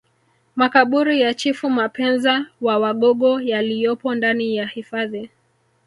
Makaburi ya Chifu Mapenza wa wagogo yaliyopo ndani ya hifadhi